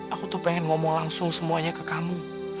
aku tuh pengen ngomong langsung semuanya ke kamu